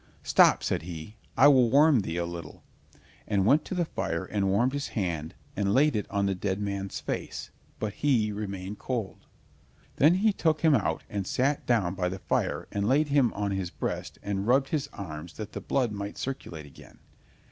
"Stop," said he, "I will warm thee a, little," and went to the fire and warmed his hand and laid it on the dead man's face, but he remained cold. Then he took him out, and sat down by the fire and laid him on his breast and rubbed his arms that the blood might circulate again.